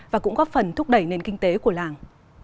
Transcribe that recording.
và cũng góp phần thúc đẩy nền kinh tế của làng